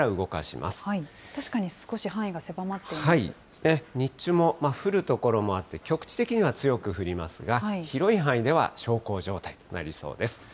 確かに少し、範囲が狭まって日中も降る所もあって、局地的には強く降りますが、広い範囲では小康状態となりそうです。